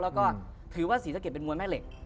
แล้วก็ถือว่าศรีสะเกดเป็นมวยแม่เหล็ก